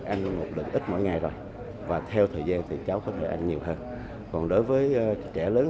ăn một lần ít mỗi ngày rồi và theo thời gian thì cháu không thể ăn nhiều hơn còn đối với trẻ lớn